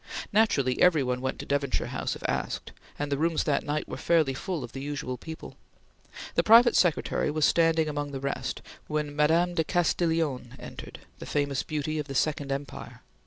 Naturally every one went to Devonshire House if asked, and the rooms that night were fairly full of the usual people. The private secretary was standing among the rest, when Mme. de Castiglione entered, the famous beauty of the Second Empire.